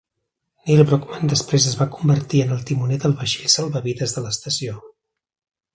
Nil Brockman després es va convertir en el timoner del vaixell salvavides de l'estació.